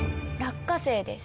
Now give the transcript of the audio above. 落花生です。